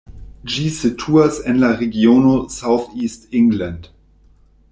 Ĝi situas en la regiono South East England.